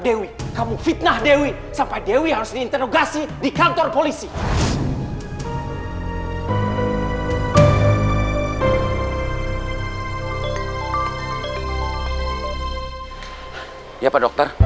dewi kamu fitnah dewi sampai dewi harus diinterogasi di kantor polisi hai ya pak dokter